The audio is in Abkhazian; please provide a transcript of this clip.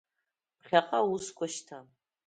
Ԥхьаҟа аусқәа шьҭан.